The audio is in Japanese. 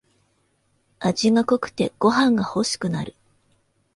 味が濃くてご飯がほしくなる